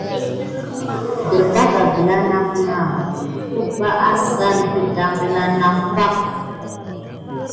Adərbaga gəla na əbbaʼi assane də daŋla nane pakə.